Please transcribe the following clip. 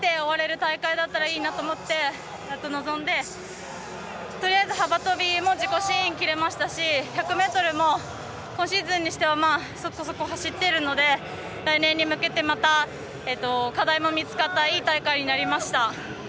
大会だったらいいなと思ってやっと臨んでとりあえず幅跳びも自己新切れましたし１００ｍも今シーズンにしてはそこそこ走ってるので来年に向けて課題も見つかったいい大会になりました。